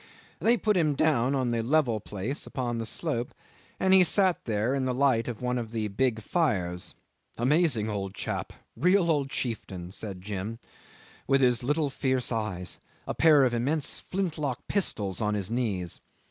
They put him down on the level place upon the slope, and he sat there in the light of one of the big fires "amazing old chap real old chieftain," said Jim, "with his little fierce eyes a pair of immense flintlock pistols on his knees.